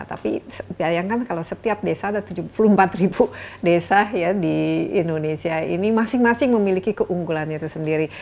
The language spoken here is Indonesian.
tapi bayangkan kalau setiap desa ada tujuh puluh empat ribu desa ya di indonesia ini masing masing memiliki keunggulannya itu sendiri